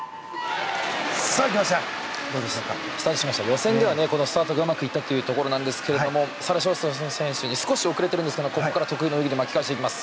予選ではスタートがうまくいったということでしたがサラ・ショーストロム選手に少し遅れているんですがここから巻き返していきます。